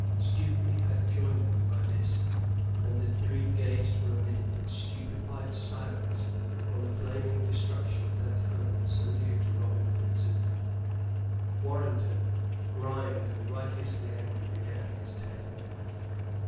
Stuteley had joined them by this, and the three gazed for a minute in stupefied silence on the flaming destruction of that home so dear to Robin Fitzooth. Warrenton, grimed and righteously angry, began his tale.